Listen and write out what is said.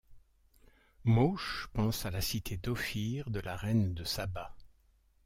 Mauch pense à la cité d'Ophir de la Reine de Saba.